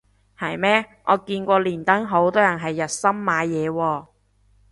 係咩我見連登好多人係日森買嘢喎